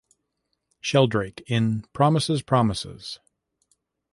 Sheldrake in "Promises, Promises".